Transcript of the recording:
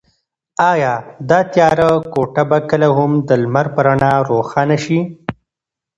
ایا دا تیاره کوټه به کله هم د لمر په رڼا روښانه شي؟